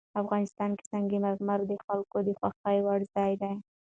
افغانستان کې سنگ مرمر د خلکو د خوښې وړ ځای دی.